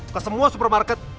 ke semua supermarket